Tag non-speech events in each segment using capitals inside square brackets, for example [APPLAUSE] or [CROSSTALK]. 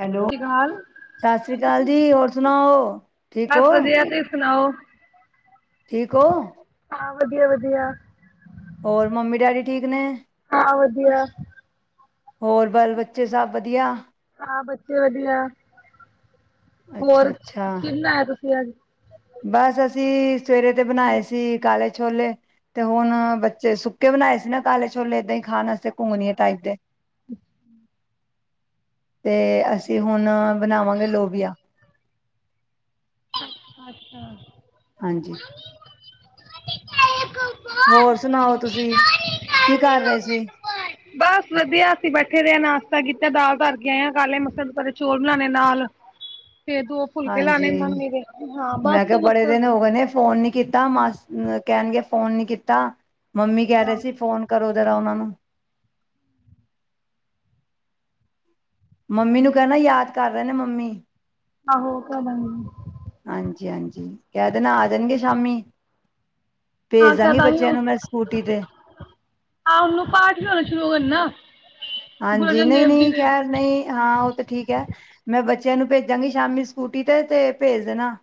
Hello, ਤ ਗਾਲ। ਸਤਿ ਸ਼੍ਰੀ ਅਕਾਲ ਜੀ ।ਹੋਰ ਸੁਣਾਓ ਠੀਕ ਬਸ ਹੋ? ਵਧੀਆ ਤੁਸੀਂ ਸੁਣਾਓ? ਠੀਕ ਹੋ? ਹਾਂ। ਵਧੀਆ ਵਧੀਆ। ਹੋਰ, ਮੰਮੀ ਡੈਡੀ ਠੀਕ ਨੇ? ਹਾਂ! ਵਧੀਆ । ਹੋਰ ਬਸ, ਬੱਚੇ ਸਭ ਵਧੀਆ? ਹਾਂ ਬੱਚੇ ਵਧੀਆ। ਅੱਛਾ ਹੋਰ, ਅੱਛਾ, ਕਿਹਨਾ ਆ ਤੁਸੀਂ ਅੱਜ ਬਸ ਅਸੀਂ ਸਵੇਰੇ ਤੇ ਬਣਾਏ ਸੀ ਕਾਲੇ ਛੋਲੇ, ਤੇ ਹੁਣ ਬੱਚੇ, ਸੁੱਕੇ ਬਣਾਏ ਸੀ ਨਾ ਕਾਲੇ ਛੋਲੇ ਦਹੀ ਖਾਣਾ ਘੁੰਗਣੀਆਂ ਟਾਈਪ ਦੇ ਤੇ, ਅਸੀਂ ਹੁਣ ਬਣਾਵਾਂਗੇ ਲੋਬਿਆ। [INAUDIBLE] ਅੱਛਾ। ਹਾਂਜੀ। ਹੋਰ ਸੁਣਾਓ ।ਤੁਸੀਂ ਕੀ ਕਰ ਰਹੇ ਸੀ? ਬਸ ਵਧੀਆ ਅਸੀਂ ਬੈਠੇ ਦੇ ਆ ਨਾਸ਼ਤਾ ਕੀਤਾ? ਦਾਲ ਧਰ ਕੇ ਆਇਆ, ਕਾਲੇ ਮਸਰ। ਨਾਲੇ ਚੋਲ ਬਣਾਣੇ ਨਾਲ। ਤੇ, ਦੋ ਫੁਲਕੇ ਲਾਣੇ ਹੁੰ। ਹਾਂਜੀ ਮੈਂ ਕਿਹਾ, ਬੜੇ ਦਿਨ ਹੋ ਗਏ ਨੇ ਫੋਨ ਨੀ ਕੀਤਾ ਮਾਸੀ ਕਹਿਣਗੇ, ਫੋਨ ਨੀ ਕੀਤਾ ਮੰਮੀ ਕਹਿ ਰਹੇ ਹਾਂ ਸੀ, ਫੋਨ- ਕਰੋ ਜਰਾ ਉਹਨਾਂ ਨੂੰ। ਮੰਮੀ ਨੂੰ ਕਹਿਣਾ, ਯਾਦ ਕਰ ਰਹੇ ਨੇ ਮੰਮੀ। ਆਹੋ ਓ ਤ ਹੈ। ਹਾਂਜੀ ।ਹਾਂਜੀ ।ਕਹਿ ਦੇਣਾ। ਆ ਜਾਣਗੇ ਸ਼ਾਮੀ। ਹਾਂ ਭੇਜ ਦਾਂਗੀ ਬੱਚਿਆਂ ਨੂੰ ਮੈਂ, ਸਕੂਟੀ ਤੇ। ਆਹ, ਉਹਨੂੰ ਪਾਠ ਲਿਆਉਣਾ ਸ਼ੁਰੂ ਕਰਨਾ। ਹਾਂਜੀ, ਨਹੀਂ ਨਹੀਂ ।ਖੈਰ, ਨਹੀਂ ਹਾਂ ਉਹ ਤਾਂ ਠੀਕ ਹੈ। ਮੈਂ ਬੱਚ ਬੱਚੇ ਨੂੰ ਭੇਜਾਂਗੀ ਸ਼ਾਮੀ, ਸਕੂਟੀ ਤੇ ਭੇਜ ਦੇਣਾ।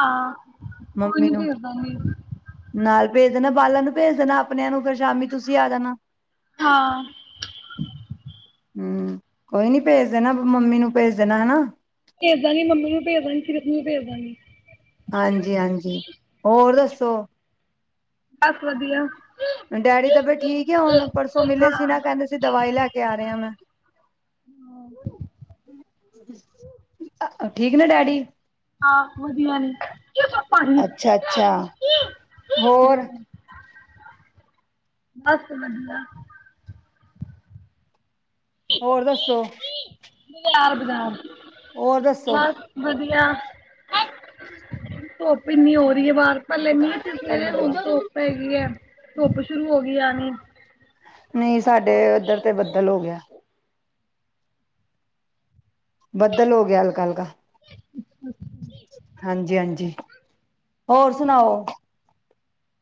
ਹਾਂ ਕੋਈ ਮੰਮੀ ਨੀ ਨੂੰ ਭੇਜ ਦਾਂਗੀ। ਨਾਲ ਭੇਜ ਬਾਲਾਂ ਨੂੰ ਭੇਜ ਦੇਣਾ ਆਪਣਿਆਂ ਨੂੰ ਫਿਰ ਸ਼ਾਮੀ ਤੁਸੀਂ ਆ ਜਾਣਾ। ਹਾਂ। ਹਮ! ਕੋਈ ਨੀ ਭੇਜ ਦੇਣਾ ਮੰਮੀ ਨੂੰ ਭੇਜ ਦੇਣਾ, ਹਨਾ। ਭੇਜਦਾ ਨੀ ਮੰਮੀ ਨੂੰ ਭੇਜਦਾ ਨੀ ਸਿਰਫ਼ ਨੂੰ ਭੇਜਦਾ ਨੀ ਹਾਂਜੀ, ਹਾਂਜੀ ਹੋਰ ਦੱਸੋ ਬਸ ਵਧੀਆ ਡੈਡੀ ਤਬਿਅਤ ਠੀਕ ਏ ਹੁਣ ਪਰਸੋਂ ਮਿਲੇ ਸੀ ਹਾਂ ਨਾ ਕਹਿੰਦੇ ਸੀ ਦਵਾਈ ਲੈ ਕੇ ਆਰਿਆ ਮੈਂ। ਠੀਕ ਨੇ ਡੈਡੀ ਆਹ ਵਧੀਆ ਨੇ ਅੱਛਾ ਅੱਛਾ ਹੋਰ ਬਸ ਵਧੀਆ । ਹੋਰ ਦੱਸੋ ਹੋਰ ਦੱਸੋ ਚਲ ਵਧੀਆ। ਇੰਨੀ ਹੋ ਰਹੀ ਹੈ ਬਾਹਰ ਪਹਿਲੇ ਮੀਂਹ ਪੈਂਦੇ ਰਹੇ ਹੁਣ ਧੁੱਪ ਹੈੈਗੀ ਏ ਧੁੱਪ ਸ਼ੁਰੂ ਹੋ ਗਈ ਆਨੀ ਨਈ ਸਾਡੇ ਉੱਧਰ ਤੇ ਬੱਦਲ ਹੋ ਗਿਐ ਬੱਦਲ ਹੋ ਗਿਆ ਹਲਕਾ ਹਲਕਾ ਹਾਂਜੀ, ਹਾਂਜੀ ਹੋਰ ਸੁਣਾਓ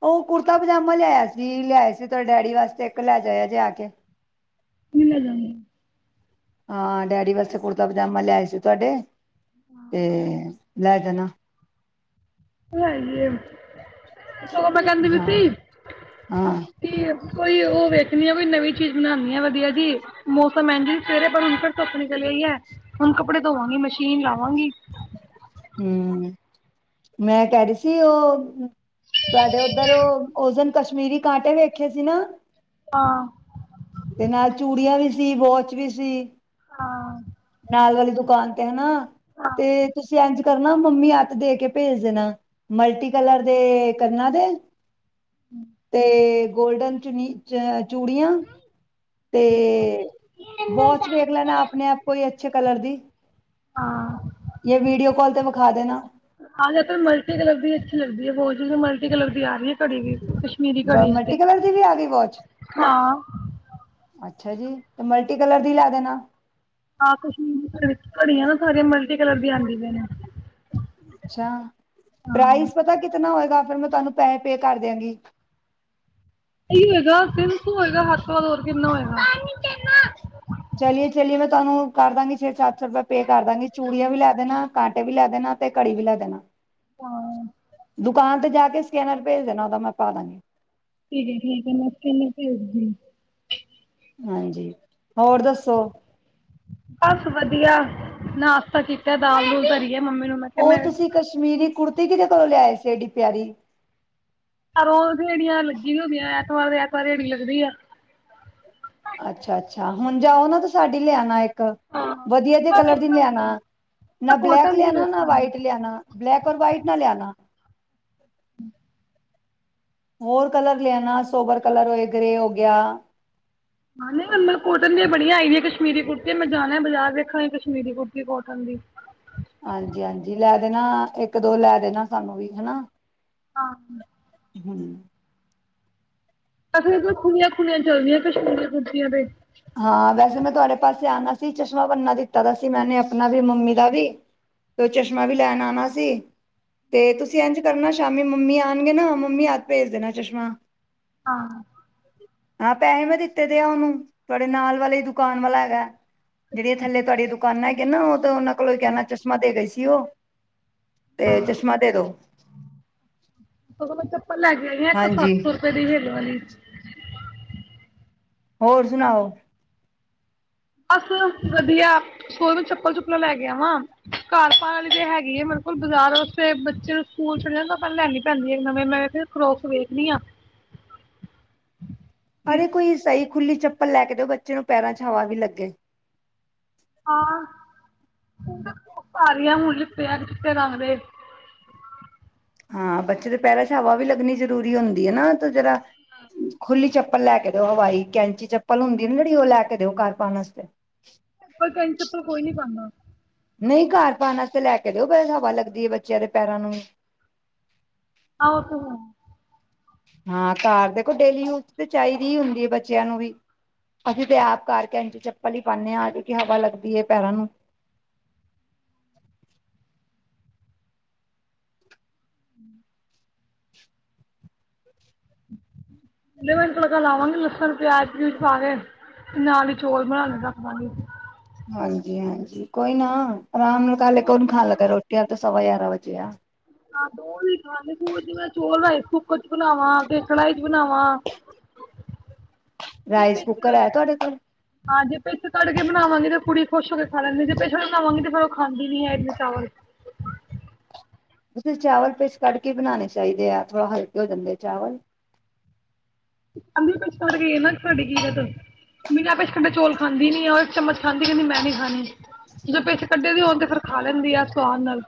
ਉਹ ਕੁੜਤਾ ਪਜਾਮਾ ਲਿਆਇ ਸੀ ਲਿਆਇ ਸੀ ਤੁਹਾਡੇ ਡੈਡੀ ਵਾਸਤੇ ਇੱਕ ਲੈ ਜਾਇਆ ਜੇ ਆ ਕੇ ਮਿਲ ਜਾਂਦੀ ਹਾਂ, ਡੈਡੀ ਵਾਸਤੇ ਕੁੜਤਾ ਪਜਾਮਾ ਲਿਆਏ ਸੀ ਤੁਹਾਡੇ ਤੇ ਲੈ ਜਾਨਾ ਕਹਿੰਦੀ ਪਈ ਹਾਂ ਸੀ ਹਾਂ ਕਿ ਕੋਈ ਉਹ ਵੇਖਣੀ ਆ ਕੋਈ ਨਵੀਂ ਚੀਜ਼ ਬਣਾਉਣੀ ਆ ਵਧੀਆ ਜੀ ਮੌਸਮ ਐ ਜੀ ਸਵੇਰੇ ਈ ਹੈ [UNINTELLIGIBLE] ਹੁਣ ਕੱਪੜੇ ਧੋਵਾਂਗੀ ਮਸ਼ੀਨ ਲਾਵਾਂਗੀ ਹੂੰ ਮੈਂ ਕਹਿ ਰਹੀ ਸੀ ਉਹ ਤੁਹਾਡੇ ਉੱਧਰ ਉਹ ਓਸ ਦਿਨ ਕਸ਼ਮੀਰੀ ਕਾਂਟੇ ਵੇਖੇ ਸੀ ਨਾ ਹਾਂ ਤੇ ਨਾਲ ਚੂੜੀਆਂ ਵੀ ਸੀ ਵੋਚ ਵੀ ਸੀ ਹਾਂ ਨਾਲ ਵਾਲੀ ਦੁਕਾਨ ਤੇ ਹੈ ਨਾ ਹਾਂ ਤੇ ਤੁਸੀਂ ਇੰਝ ਕਰਨਾ ਮੰਮੀ ਹੱਥ ਦੇ ਕੇ ਭੇਜ ਦੇਣਾ ਮਲਟੀ ਕਲਰ ਦੇ ਕੰਨਾਂ ਦੇ [INAUDIBLE] ਤੇ ਗੋਲਡਨ ਚੁਨੀ ਚ ਚੂੜੀਆਂ ਤੇ ਵੋਚ ਵੇਖ ਲੈਣਾ ਆਪਣੇ ਆਪ ਕੋਈ ਅੱਛੇ ਕਲਰ ਦੀ ਹਾਂ ਜਾਂ ਵੀਡੀਓ ਕਾਲ ਤੇ ਵਿਖਾ ਦੇਣਾ ਹਲ ਮਲਟੀ ਕਲਰ ਵੀ ਅੱਛ ਲੱ ਦੀਦੀ ਵਾਚ ਵੀ ਮਲਟੀ ਕਲਰ ਦੀ ਆ ਰਹੀ ਹੈ ਘੜੀ ਗਈ [UNINTELLIGIBLE] ਮਲਟੀ ਕਲਰ ਦੀ ਵੀ ਆ ਗਈ ਵੋਚ ਹਾਂ ਅੱਛਾ ਜੀ ਤੇ ਮਲਟੀ ਕਲਰ ਦੀ ਲੈ ਦੇਣਾ ਹਾਂ ਕਸ਼ਮੀਰ ਘ ਵਿੱਚ ਘੜੀਆਂ ਨਾ ਸਾਰੀਆਂ ਮਲਟੀ ਕਲਰ ਦੀ ਆਉਂਦੀਆਂ ਨੇ ਅੱਛਾ ਹਾਂ ਪ੍ਰਾਈਜ਼ ਪਤਾ ਕਿਤਨਾ ਹੋਏਗਾ ਫਿਰ ਮੈਂ ਤੁਹਾਨੂੰ ਪੈਸੇ ਪੇ ਕਰ ਦਿਆਂਗੀ ਹੀ ਹੋਏਗਾ ਤਿੰਨ ਸੌ ਹੋਏਗਾ ਹੱਥ ਵਾਰ ਹੋਰ ਕਿੰਨਾ ਹੋਏਗਾ [UNINTELLIGIBLE] ਚਲੀਏ ਚਲੀਏ ਮੈਂ ਤੁਹਾਨੂੰ ਕਰ ਦਾਂਗੀ ਛੇ ਸੱਤ ਸੌ ਰੁਪਏ ਪੇ ਕਰਦਾਂਗੀ ਚੂੜੀਆਂ ਵੀ ਲੈ ਦੇਣਾ ਕਾਂਟੇ ਵੀ ਲੈ ਦੇਣਾ ਤੇ ਘੜੀ ਵੀ ਲੈ ਲੇਣਾ ਹਾਂ ਦੁਕਾਨ ਤੇ ਜਾ ਕੇ ਸਕੈਨਰ ਭੇਜ ਦੇਣਾ ਉਹਦਾ ਮੈਂ ਪਾ ਦਾਂਗੀ ਠੀਕ ਠੀਕ ਹੈ ਮੈਂ ਤੈਨੂੰ ਭੇਜਦੀ [UNINTELLIGIBLE] ਹਾਂਜੀ ਹੋਰ ਦੱਸੋ ਬਸ ਵਧੀਆ ਨਾਸ਼ਤਾ ਕੀਤਾ ਦਾਲ ਦੂਲ ਤਰੀ ਉਹ ਤੁਸੀਂ ਕਸ਼ਮੀਰੀ ਕੁੜਤੀ ਕਿਹਦੇ ਕੋਲੋਂ ਲਿਆਏ ਸੀ ਐਡੀ ਪਿਆਰੀੇ ਰੋ ਰੜੀਆਂ ਲੱਗੀ ਨ ਹੁੰਦੀਆਂ ਐਤਵਾਰ ਦੇ ਐਤਵਾਰ ੜੀ ਲੱਗਦੀ ਆ ਅੱਛਾ, ਅੱਛਾ ਹੁਣ ਜਾਓ ਨਾ ਤੇ ਸਾਡੀ ਲਿਆਣਾ ਇੱਕ ਹਾਂ ਵਧੀਆ ਦੇ ਮੈਂ ਕਲਰ ਦੀ ਵੇਖਾਂ ਲਿਆਨਾ ਨਾ ਬਲੈਕ ਕੋਟਨ ਦੀ ਲਿਆਨਾ ਨਾ ਵੇਖਾਂਗੀ ਵਾਈਟ ਲਿਆਨਾ ਬਲੈਕ ਔਰ ਵਾਈਟ ਨਾ ਲਿਆਉਣਾ ਹਮ ਹੋਰ ਕਲਰ ਲਿਆਣਾ ਸੋਬਰ ਕਲਰ ਹੋਏ ਗਰੇੇ ਹੋ ਗਿਆ ਹ ਨਹੀਂ ਮਤਲਬ ਕੋਟਨ ਦੀਆਂ ਬੜੀਆਂ ਆਈਆਂ ਕਸ਼ਮੀਰੀ ਕੁੜਤੀ ਮੈਂ ਜਾਣਾ ਬਾਜ਼ਾਰ ਵੇਖਨ ਕਸ਼ਮੀਰੀ ਕੁੜਤੀ ਕੋਟਨ ਦੀ ਹ- ਹਾਂਜੀ -ਹਾਂਜੀ ਲੈ ਦੇਣਾ ਇੱਕ ਦੋ ਲੈ ਦੇਣਾ ਸਾਨੂੰ ਵੀ ਹਨਾ ਹਾਂ ਹਮ ਆ ਫਿਰ ਇਰ ਖੁੱਲੀਆਂ ਖੁੱਲੀਆਂ ਚੱਲਦੀਆਂ ਕਸ਼ਮੀਰੀ ਕੁੜਤੀਆ ਤ ਹਾਂ ਵੈਸੇ ਮੈਂ ਤੁਹਾਡੇ ਪਾਸੇ ਆਉਣਾ ਸੀ ਚਸ਼ਮਾ ਬੰਨਨਾ ਦਿੱਤਾ ਦਾ ਸੀ ਮੈਨੇ ਆਪਣਾ ਵੀ ਮੰਮੀ ਦਾ ਵੀ ਤੇ ਚਸ਼ਮਾ ਵੀ ਲੈਣ ਆਉਣਾ ਸੀ ਤੇ ਤੁਸੀਂ ਇੰਝ ਕਰਨਾ ਸ਼ਾਮੀ ਮੰਮੀ ਆਉਣਗੇ ਨਾ ਮੰਮੀ ਹਥ ਭੇਜ ਦੇਣਾ ਚਸ਼ਮਾ ਆਹ ਹਾਂ ਪੈਸੇ ਮੈਂ ਦਿੱਤੇ ਦੇ ਆ ਉਹਨੂੰ ਤੁਹਾਡੇ ਨਾਲ ਵਾਲੇ ਦੁਕਾਨ ਵਾਲਾ ਹੈਗਾ ਜਿਹੜੀਆਂ ਥੱਲੇ ਤੁਹਾਡੀਆਂ ਦੁਕਾਨਾਂ ਹੈਗੀਆਂ ਨਾ ਉਹਨਾਂ ਕੋਲੋਂ ਕਹਿਣਾ ਚਸ਼ਮਾ ਦੇ ਗਈ ਸੀ ਉਹ ਤੇ ਹਾਂ ਚਸ਼ਮਾ ਦੇ ਦੋ ਮੈਂ ਚੱਪਲ ਲੈ ਕੇ ਆਈ ਇੱਕ ਸੱਤ ਹਾਂਜੀ ਸੌ ਰੁਪਏ ਦੀ ਹਿਲ ਵਾਲੀ ਹੋਰ ਸੁਣਾਓ ਬਸ ਵਧੀਆ ਸੋ ਸੋਚਦੀ ਪਈ ਚੱਪਲ ਚੁੱਪਲਾਂ ਲੈ ਕੇ ਵਾ ਘਰ ਪਾ ਵਾਲੀ ਤੇ ਹੈਗੀ ਆ ਮੇਰੇ ਬਿਲਕੁਲ ਬਾਜ਼ਾਰੇ ਬੱਚੇ ਸਕੂਲ ਚ ਲੈਣੀ ਪੈਂਦੀ ਨਵੇਂ ਮੈਂ ਕਾਰੋਕੱਸ ਵੇਖਦੀ ਹਾਂ [INAUDIBLE] ਕਿ ਅਰੇ ਕੋਈ ਈ ਸਹੀ ਖੁੱਲੀ ਚੱਪਲ ਲੈ ਕੇ ਦਿਓ ਬੱਚੇ ਨੂੰ ਪੈਰਾਂ 'ਚ ਹਵਾ ਵੀ ਲੱਗੇ ਆਂ [UNINTELLIGIBLE] ਹਾਂ ਬੱਚੇ ਦੇ ਪਹਿਰਾ ਹਵਾ ਵੀ ਲੱਗਣੀ ਜ਼ਰੂਰੀ ਹੁੰਦੀ ਹੈ ਨਾ ਤੇ ਜਿਹੜਾ ਖੁੱਲੀ ਚੱਪਲ ਲੈ ਕੇ ਦਿਓ ਹਵਾਈ ਕੈਂਚੀ ਚੱਪਲ ਹੁੰਦੀ ਨਾ ਜਹੜੀ ਉਹ ਲੈ ਕੇ ਦਿਓ ਘਰ ਪਾ ਆਸਤੇ ਪਲ ਕੈ ਚਪਲ ਕੋਈ ਨੀ ਪਾਉਦਾ ਨਹੀਂ ਘਰ ਪਾਉਣ ਆਸਤੇ ਲੈ ਕੇ ਦਿਓ ਬੈ ਹਵਾ ਲੱਗਦੀ ਹੈ ਬੱਚਿਆਂ ਦੇ ਪੈਰਾਂ ਨੂੰ ਵੀ [INAUDIBLE] ਹਾਂ ਘਰ ਦੇਖੋ ਡੇਲੀ ਯੂਜ ਤੇ ਚਾਹੀਦੀ ਹੀ ਹੁੰਦੀ ਹੈ ਬੱਚਿਆਂ ਨੂੰ ਵੀ ਅਸੀਂ ਤੇ ਆਪ ਕਰਕੇ ਕੈਂਚੀ ਚੱਪਲ ਹੀ ਪਾਣੇ ਹਾਂ ਕਿਉਕਿ ਹਵਾ ਲੱਗਦੀ ਹੈ ਪੈਰਾਂ ਨੂੰ [INAUDIBLE] [INAUDIBLE] ਪਲੇ ਤੜਕਾ ਲਾਵਾਂਗੇ ਲਸਣ ਪਿਆਜ ਪਊਜ ਪਾ ਕੇ ਤੇ ਨਾਲ ਹੀ ਚੌਲ ਬਣਾ ਲ ਦਾ ਆਪਣਾ ਹਾਂਜੀ -ਹਾਂਜੀ ਕੋਈ ਨਾ ਆਰਾਮ ਨਾਲ ਕਾਲੇ ਕੌਨ ਖਾਣ ਲੱਗਾ ਰੋਟੀ ਅਜੇ ਤਾਂ ਸਵਾ ਗਿਆਰਾਂ ਵਜੇ ਆ [UNINTELLIGIBLE] ਕੁੱਕਰ 'ਚ ਬਣਾਵਾਂ ਕੇ ਕੜਾਈ 'ਚ ਬਣਾਵਾਂ ਜੇ ਰਾਈਸ ਪਿੱਛ ਕੁੱਕਰ ਹੈ ਤੁਹਾਡੇ ਕੋਲ ਹਾਂ ਜੇ ਪਿੱਛ ਕਢਕੇ ਬਣਾਵਾਂਗੀ ਤੇ ਕੁੜੀ ਖੁਸ਼ ਹੋ ਕੇ ਖਾ ਲੈਂਦੇ ਜੇ ਪਿਛ ਵਾਲੇ ਬਣਾਵਾਂਗੀ ਤੇ ਫਿਰ ਉਹ ਖਾਂਦੀ ਨੀ ਹੈ ਇ ਚਾਵਲ ਤੁਸੀਂ ਚਾਵਲ ਪਿਛ ਕੱਢ ਕੇ ਬਣਾਉਣੇ ਚਾਹੀਦੇ ਆ ਥੋੜਾ ਹਲਕੇ ਹੋ ਜਾਂਦੇ ਆ ਚਾਵਲ [UNINTELLIGIBLE] ਬਿਨਾਂ ਪਿੱਛ ਕਢੇ ਚੌਲ ਖਾਂਦੀ ਨੀ ਆ ਉਹ ਇੱਕ ਚਮਚ ਖਾਂਦੀ ਕਹਦੀ ਮੈਂ ਨ ਨਹੀਂ ਖਾਣੇ ਜਦੋਂ ਪਿੱਛ ਕੱਢੇ ਦੇ ਹੋਣ ਪਥਰ ਖਾ ਲੈਂਦੀ ਆ ਸਵਾਦ ਨਾਲ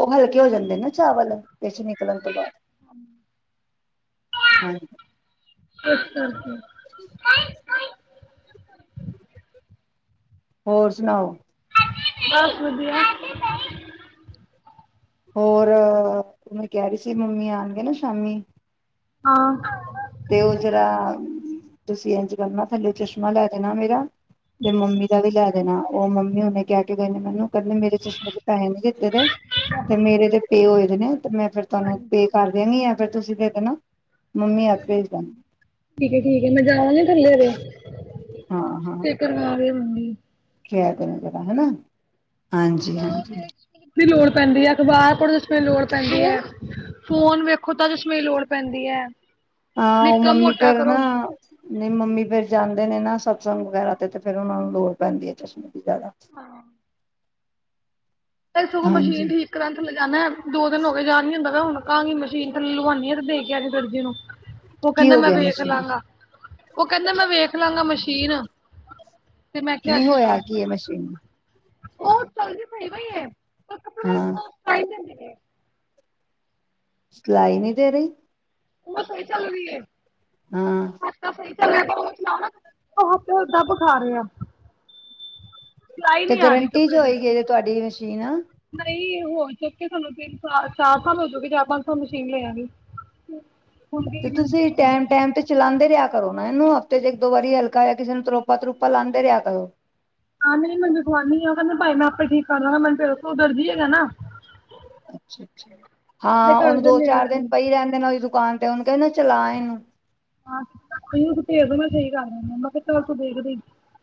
ਉਹ ਹਲਕੇ ਹੋ ਜਾਂਦੇ ਨਾ ਚਾਵਲ ਪਿਛ ਨਿਕਲਣ ਤੋਂ ਬਾਅਦ ਹਾਂਜੀ [INAUDIBLE] [INAUDIBLE] [INAUDIBLE] ਹੋਰ ਸੁਣਾਓ। ਬਸ ਵਧੀਆ [INAUDIBLE] ਹੋਰ ਅ ਮੈਂ ਕਹਿ ਰਹੀ ਸੀ ਮੰਮੀ ਆਣਗੇ ਨਾ ਸ਼ਾਮੀ [UNINTELLIGIBLE] ਤੇ ਉਹ ਜਿਹੜਾ ਤੁਸੀਂ ਇੰਝ ਕਰਨਾ ਥੱਲੇ ਚਸ਼ਮਾ ਲੈ ਦੇਣਾ ਮੇਰਾ ਤੇ ਮੰਮੀ ਦਾ ਵੀ ਲੈ ਦੇਣਾ ਉਹ ਮੰਮੀ ਹੁਣੇ ਕਹਿ ਕੇ ਗਏ ਨੇ ਮੈਨੂੰ ਕਰਨ ਨੇ ਮੇਰੇ ਚਸ਼ਮੇ ਦੇ ਪੈਹੇ ਨਹੀਂ ਦਿੱਤੇ ਦੇ ਤੇ ਮੇਰੇ ਤੇ ਪੇ ਹੋਏ ਦੇ ਨੇ ਤੇ ਮੈਂ ਫਿਰ ਤੁਹਾਨੂੰ ਪੇ ਕਰ ਦੇਣੀ ਆ ਫਿਰ ਤੁਸੀਂ ਦੇ ਦੇਣਾ ਮੰਮੀ ਆਪ ਭੇਜ ਦੇਣ ਠੀਕ ਏ ਠੀਕ ਏ ਮੈਂ ਜਾਵਾਂਗੀ ਥੱਲੇ ਹਜੇ ਹਾਂ ਤੇ ਕਰਵਾ ਲਿਆਵਾਂਗੀ। ਕੈ ਦੇਣਾ ਜਰਾ ਹਨਾ। ਹਾਂਜੀ ਹਾਂਜੀ [INAUDIBLE] ਲੋੜ ਪੈਂਦੀ ਐ ਅਖ਼ਬਾਰ ਪੜ੍ਹੋ ਓਦੇ 'ਚ ਲੋੜ ਪੈਂਦੀ ਐ। ਫੋਨ ਵੇਖੋ ਤਾਂ ਚਸ਼ਮੇ ਲੋੜ ਪੈਂਦੀ ਐ। ਹਾਂ ਉਹ ਮੰਮੀ ਫਿਰ ਨਾ ਨੀ ਮੰਮੀ ਫਿਰ ਜਾਂਦੇ ਨੇ ਨਾ। ਸਤਸੰਗ ਵਗੈਰਾ ਤੇ ਫੇਰ ਉਹਨਾ ਨੂੰ ਲੋੜ ਪੈਂਦੀ ਐ ਚਸ਼ਮੇ ਦੀ ਜ਼ਿਆਦਾ ਹਾਂ। ਤੇ ਸਗੋਂ ਮਸ਼ੀਨ ਹਾਂਜੀ ਠੀਕ ਕਰਾਨ ਥੱਲੇ ਜਾਣਾ ਦੋ ਦਿਨ ਹੋਗੇ ਜਾਣ ਨੀ ਹੁੰਦਾ। ਕਾਂਗੀ ਮਸ਼ੀਨ ਥੱਲੇ ਲਵਾਉਣੀ ਆ ਤੇ ਦੇ ਕੇ ਆਜੇ ਦਰਜੀ ਨੂੰ ਉਹ ਕੀ ਕਹਿੰਦਾ ਹੋ ਮੈਂ ਗਿਆ ਵੇਖ ਮਸ਼ੀਨ ਲਾਂਗਾ। ਉਹ ਕਹਿੰਦਾ ਮੈਂ ਵੇਖ ਲਾਂਗਾ ਮਸ਼ੀਨ ਤੇ ਮੈਂ ਕਿਹਾ ਨਹੀਂ ਅੱਛਾ। ਹੋਇਆ ਕੀ ਇਹ ਮਸ਼ੀਨ ਨੂੰ ਉਹ ਚੱਲਦੀ ਸਹੀ ਪਈ ਏ ਉਹ ਕੱਪੜੇ ਹਾਂ ਉਹ ਸਲਾਈ ਨਹੀਂ ਦੇਂਦੀ ਪਈ। ਸਲਾਈ ਨੀ ਦੇ ਰਹੀ। ਉਹ ਸਹੀ ਚਲਰੀ ਏ ਹਾਂ [INAUDIBLE] ਸਹੀ [INAUDIBLE] ਉਹ ਉੱਥੇ ਓ ਦਬ ਖਾ ਰਿਹਾ। ਸਿਲਾਈ ਤੇ ਨਹੀਂ ਆ ਰਹੀ ਗਰੰਟੀ ਚ ਕੱਪੜੇ ਦੀ ਹੋਏਗੀੇ ਤੁਹਾਡੀ ਮਸ਼ੀਨ ਆ। ਨਹੀਂ ਹੋ ਚੁੱਕੇ ਸਾਨੂੰ ਤਿੰਨ ਸਾਲ ਚਾਰ ਸਾਲ ਹੋਜੂਗੇ ਚਾਰ ਪੰਜ ਸਾਲ ਮਸ਼ੀਨ ਲਿਆ ਨੂੰ। ਹੂੰ। ਤੇ ਤੁਸੀਂ ਟੈਮ ਟੈਮ ਤੇ ਚਲਾਂਦੇ ਰਿਹਾ ਕਰੋ। ਮੈਂ ਇਹਨੂੰ ਹਫ਼ਤੇ ਚ ਇੱਕ ਦੋ ਵਾਰੀ ਹਲਕਾ ਜਾ ਕਿਸੇ ਨੂੰ ਕਿਸੇ ਨੂੰ ਤਰੋਪਾ ਤਰੁਪਾ ਲਾਂਦੇ ਰਿਹਾ ਕਰੋ। ਆ ਨਹੀਂ ਮੈ ਰਖਵਾਨੀ ਉਹ ਕਹਿੰਦੇ ਭਾਈ ਮੈਂ ਆਪੇ ਠੀਕ ਕਰ ਲਾਂਗਾ ਮਨੂੰ ਫੇਰ ਉ ਦਰਜੀ ਹੈਗਾ ਨਾ। ਅੱਛਾ ਅੱਛਾ ਤੇ ਹਾਂ ਘਰ ਉਹਨੂੰ ਦੇ ਦੋ ਨੇੜੇ ਚਾਰ ਦਾ ਦਿਨ ਹੀ ਪਈ ਰਹਿਣ ਦੇਣਾ ਉਹਦੀ ਦੁਕਾਨ । ਤੇ ਓਹਨੂੰ ਕਹਿਣਾ ਚਲਾ ਇਹਨੂੰ। [UNINTELLIGIBLE]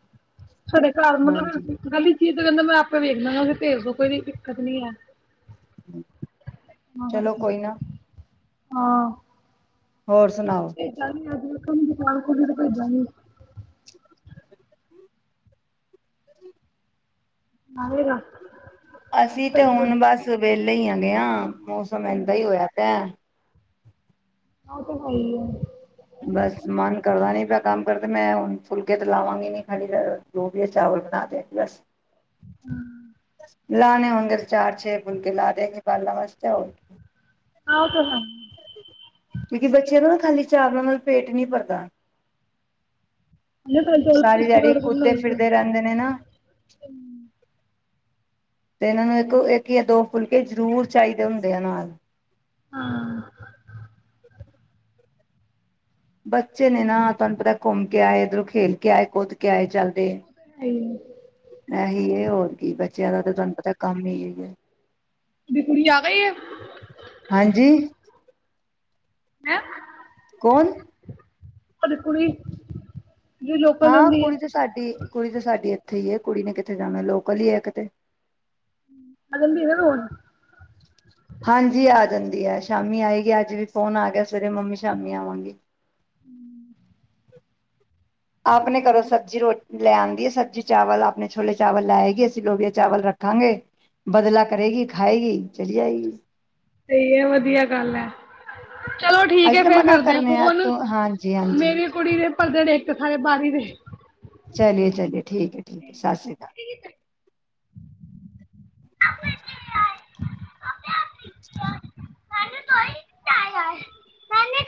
ਸਾਡੇ ਘਰ ਹਾਂਜੀ ਮਤਲਬ ਗਲੀ ਚੀ ਇ ਹੈ ਕਹਿੰਦਾ ਮੈਂ ਆਪੇ ਵੇਖਦਾਗਾ ਭੇਜ ਦੋ ਕੋਈ ਦਿੱਕਤ ਨੀ ਐ। ਚਲੋ ਕੋਈ ਨਾ [INAUDIBLE] ਹਾਂ। ਹੋਰ ਸੁਣਾਓ ਭੇਜਾਂਗੀਂ ਅਜ ਵੇਖਾਗੀਂ ਦੁਕਾਨ ਖੁੱਲੀ ਤੇ ਭੇਜਾਂਗੀਂ। ਆਵੇਗਾ ਅਸੀਂ ਤੇ ਸਹੀ ਹੋ ਹੁਣ ਜਾਊ ਬਸ ਵੇਲ ਈ ਹੈਗੇ ਆ ਮੌਸਮ ਏਦਾਂ ਈ ਹੋਇਆ ਪਿਆ। ਅਹ ਤਾਂ ਸਹੀ ਹੈ। ਬਸ ਮਨ ਕਰਦਾ ਨੀ ਪਿਆ ਕੰਮ [UNINTELLIGIBLE] ਤੇ ਮੈਂ ਹੁਣ ਫੁਲਕੇ ਤੇ ਲਾਵਾਂਗੀ ਨੀ ਖਾਲੀ ਫਿਰ ਜੋ ਵੀ ਐ ਚਾਵਲ ਬਣਾ ਤੇ ਬਸ । [INAUDIBLE] ਲਾਣੇੇ ਹੋਣਗੇ ਤੇ ਚਾਰ ਛੇ ਫੁਲਕੇ ਲਾ ਦੀਆਗੀਂ ਬਾਲਾਂ ਵਾਸਤੇ ਔਰ ਕੀ । ਹਾਂ ਓ ਤੇ ਹੈ। ਕਿਉਕਿ ਬੱਚਿਆਂ ਨੂੰ ਨਾ ਖਾਲੀ ਚਾਵਲਾਂ ਨਾਲ ਪੇਟ ਨਹੀਂ ਭਰਦਾ। ਇਹਨੇ ਤਾਂ ਚੋਲ ਸਾਰੀ ਪਿੱਛੇ ਦਿਹਾੜੀ ਕੱਢ ਕੇ ਕੁਦਦੇ ਬਣਾਈ ਹੈ ਫਿਰਦੇ ਰਹਿੰਦੇ ਨੇ ਨਾ ਤੇ ਇਹਨਾਂ ਨੂੰ ਇੱਕ ਇੱਕ ਯਾਂ ਦੋ ਫੁਲਕੇ ਜ਼ਰੂਰ ਚਾਹੀਦੇ ਹੁੰਦੇ ਆ ਨਾਲ। ਹਾਂ। ਬੱਚੇ ਨੇ ਨਾ ਤੁਹਾਨੂੰ ਪਤਾ ਘੁੰਮ ਕੇ ਆਏ ਇੱਧਰੋਂ ਖੇਲ ਕੇ ਆਏ ਕੁੁਦ ਕੇ ਆਏ ਚੱਲ । ਤੇ ਹੈ ਹੀ ਹੈ। ਇਹੀ ਏ ਹੋਰ । ਕਿ ਬੱਚਿਆਂ ਦਾ ਤਾਂ ਤੁਹਾਨੂੰ ਪਤਾ ਕੰਮ ਈ ਏ। ਤੁਹਾਡੀ ਕੁੜੀ ਆ ਗਈ ਹੈ ਹਾਂਜੀ। ਮੈਮ ਕੌਨ। ਅਦੇ ਕੁੜੀ ਜੋ ਲੋਕਲ ਹਾਂ ਹੁੰਦੀ ਹੈ ਕੁੜੀ ਤੇ ਸਾਡੀ ਕੁੜੀ ਤੇ ਸਾਡੀ ਇੱ ਕਿੱਥੇ ਹੀ ਹੈ ਕੁੜੀ ਨੇ ਕਿੱਥੇ ਜਾਣਾ ਲੋਕਲ ਹੀ ਹੈ ਕਿਤੇ [UNINTELLIGIBLE] ਹਾਂਜੀ ਆ ਜਾਂਦੀ ਹੈ ਸ਼ਾਮੀ ਆਏਗੀ ਅੱਜ ਵੀ ਫ਼ੋਨ ਆ ਗਿਆ ਸਵੇਰੇ ਮੰਮੀ ਸ਼ਾਮੀ ਆਵਾਂਗੀ। ਹਮ ਆਪ ਨੇ ਘਰੋ ਸਬਜ਼ੀ ਰੋਟੀ ਲੈ ਆਂਦੀ ਹੈ ਸਬੀ ਚਾਵਲ ਆਪਣੇ ਛੋਲੇ ਚਾਵਲ ਲਾਏਗੀ ਅਸੀਂ ਲੋਬੀਆ ਚਾਵਲ ਰ ਰੱਖਾਂਗੇ ਬਦਲਾ ਕਰੇਗੀ ਖਾਏਗੀ ਚਲੀ ਜਾਏਗੀ। ਸਹੀ ਹੈ ਵਧੀਆ ਗੱਲ ਹੈ ਚਲੋ ਠੀਕ ਹੈ ਅਸੀਂ ਤਾਂ ਫੇਰ ਮਨਾ ਕਰਦੇਿਆਂ ਕਰਨੇ ਆ ਫੋਨ ਤੂੰ ਹਾਂਜੀ ਹਾਂਜੀ ਮੇਰੀ ਕੁੜੀ ਦੇ ਪਰ ਦੇ ਨੇ ਇੱਕ ਸਾਰੇ ਬਾਰੀ ਦੇ। ਚਲੀਏ ਚਲੀਏ ਠੀਕ ਹੈ ਠੀਕ ਹੈ ਸਤਿ ਸ਼੍ਰੀ ਅਕਾਲ। [UNINTELLIGIBLE] [INAUDIBLE] [UNINTELLIGIBLE]